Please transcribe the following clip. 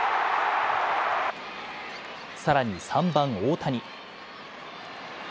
さらに３番・大谷。